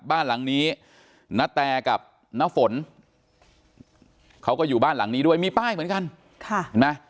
บ้านหลังนี้ณแตกับน้าฝนเขาก็อยู่บ้านหลังนี้ด้วยมีป้ายเหมือนกันค่ะเห็นไหม